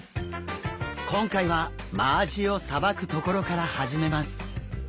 今回はマアジをさばくところから始めます。